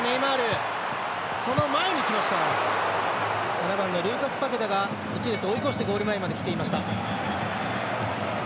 ７番のルーカス・パケタが一列追い越してゴール前まで来ていました。